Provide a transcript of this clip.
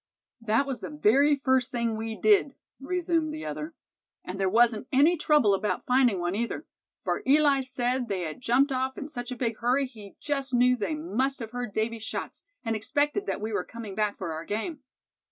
"That was the very first thing we did," resumed the other; "and there wasn't any trouble about finding one either; for Eli said they had jumped off in such a big hurry he just knew they must have heard Davy's shots, and expected that we were coming back for our game.